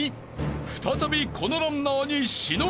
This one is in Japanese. ［再びこのランナーに忍び寄る］